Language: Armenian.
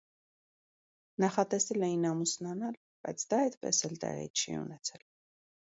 Նախատեսել էին ամուսնանալ, բայց դա այդպես էլ տեղի չի ունեցել։